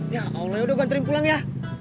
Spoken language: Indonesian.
ya allah yaudah gue ngancurin pulang ya